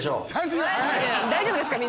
大丈夫ですか？